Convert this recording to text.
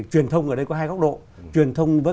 truyền thông ở đây có hai góc độ truyền thông với